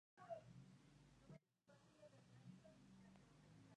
Actualmente se utilizan gasolinas sin plomo empleando otro tipo de catalizadores.